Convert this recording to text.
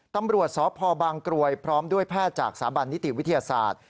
ตำรวจสพบางกรวยพร้อมด้วยแพทย์จากสถาบันนิติวิทยาศาสตร์